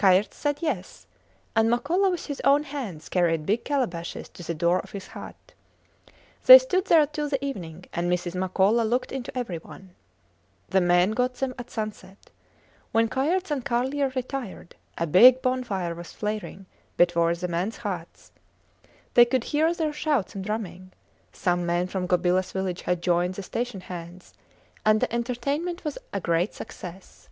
Kayerts said yes, and Makola, with his own hands carried big calabashes to the door of his hut. They stood there till the evening, and Mrs. Makola looked into every one. The men got them at sunset. When Kayerts and Carlier retired, a big bonfire was flaring before the mens huts. They could hear their shouts and drumming. Some men from Gobilas village had joined the station hands, and the entertainment was a great success.